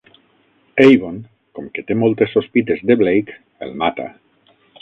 Avon, com que té moltes sospites de Blake, el mata.